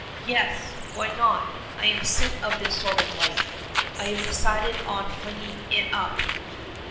"Yes; why not? I am sick of this sort of life. I have decided on flinging it up."